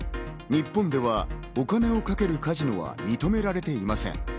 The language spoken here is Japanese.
日本ではお金を賭けるカジノは認められていません。